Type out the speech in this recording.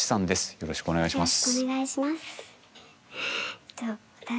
よろしくお願いします。